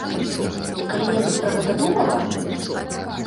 Ты калі-небудзь пра гэта думала?